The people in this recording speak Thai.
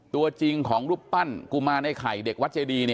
ตัวจริงของรูปปั้นกุมารไอ้ไข่เด็กวัดเจดี